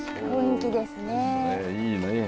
いいねえ